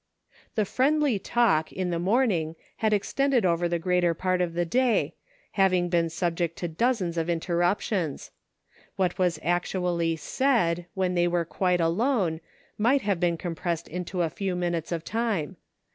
The " friendly talk " in the morning had extended over the greater part of the day, having been sub ject to dozens of interruptions. What was actually said, when they were quite alone, might have been compressed into a few minutes of time.